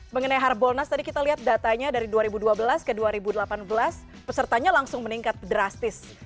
mengenai harbolnas tadi kita lihat datanya dari dua ribu dua belas ke dua ribu delapan belas pesertanya langsung meningkat drastis